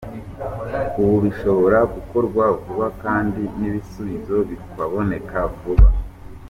Ubu bishobora gukorwa vuba kandi n’ibisubizo bikaboneka vuba.